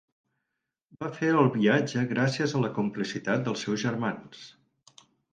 Va fer el viatge gràcies a la complicitat dels seus germans.